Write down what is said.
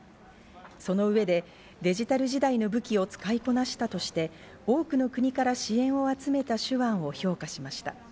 その上で、デジタル時代の武器を使いこなしたとして、多くの国から支援を集めた手腕を評価しました。